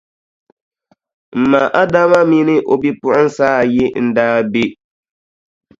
M ma Adama mini o bipuɣinsi ayi n-daa be.